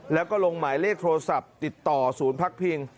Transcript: แล้วก็ลงหมายเลขโทรศัพท์ติดต่อศูนย์พักพิง